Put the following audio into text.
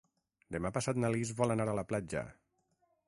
Demà passat na Lis vol anar a la platja.